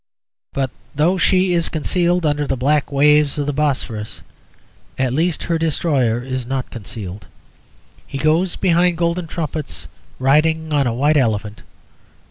But though she is concealed under the black waves of the Bosphorus, at least her destroyer is not concealed. He goes behind golden trumpets riding on a white elephant.